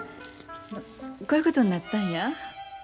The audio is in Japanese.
こういうことになったんや。